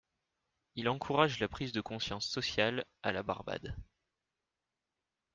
Il encourage la prise de conscience sociale à la Barbade.